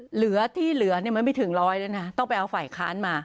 เหลือที่เหลือไม่มีถึง๑๐๐ต้องไปเอาฝ่ายค้านมา